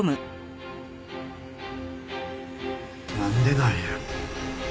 なんでなんや？